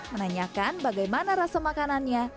menanyakan bagaimana rasa makanannya